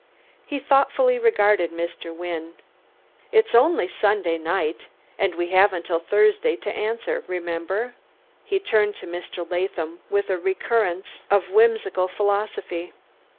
He thoughtfully regarded Mr. Wynne. "Id's only Sunday nighd, yed; we haf undil Thursday to answer, you remember." He turned to Mr. Latham, with a recurrence of whimsical philosophy.